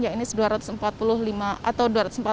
ini dua ratus empat puluh lima atau dua ratus empat puluh